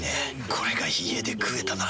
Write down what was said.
これが家で食えたなら。